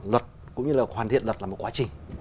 luật cũng như là hoàn thiện luật là một quá trình